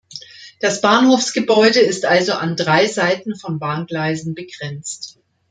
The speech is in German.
Das Bahnhofsgebäude ist also an drei Seiten von Bahngleisen begrenzt.